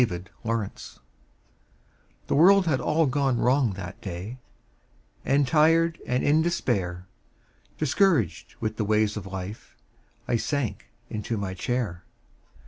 MY COMFORTER The world had all gone wrong that day And tired and in despair, Discouraged with the ways of life, I sank into my chair.